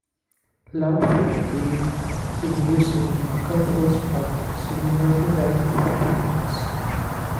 Lungfish breathe in using a buccal force-pump similar to that of amphibians.